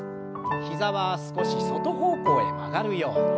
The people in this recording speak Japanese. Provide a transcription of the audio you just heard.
膝は少し外方向へ曲がるように。